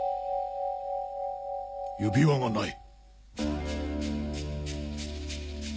指輪がない。